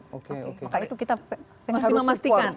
maka itu kita harus memastikan